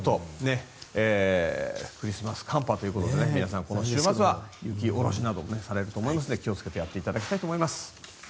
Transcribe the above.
クリスマス寒波ということで皆さんこの週末は雪下ろしなどされると思いますので気をつけてやっていただきたいと思います。